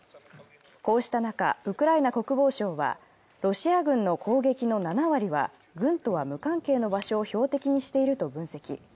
こうした中、ウクライナ国防省はロシア軍の攻撃の７割は軍とは無関係の場所を標的にしていると分析。